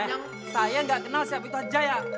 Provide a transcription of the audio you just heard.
eh saya gak kenal siapa itu haji jaya